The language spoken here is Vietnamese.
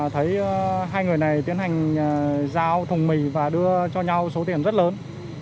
thấy hai người này tiến hành giao thùng mì và đưa cho nhau số tiền rất lớn